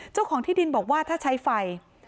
เจ้าของที่ดินบอกว่าถ้าใช้ไฟ